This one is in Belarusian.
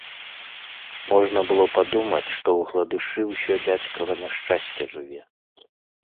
Можна было падумаць, што ў гладышы ўсё дзядзькава няшчасце жыве.